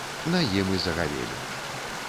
На ім і загавелі.